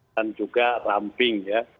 dan juga ramping ya